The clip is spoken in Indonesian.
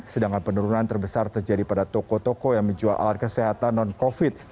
sedangkan penurunan terbesar terjadi pada toko toko yang menjual alat kesehatan non covid